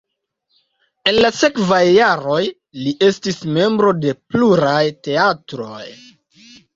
En la sekvaj jaroj li estis membro de pluraj teatroj.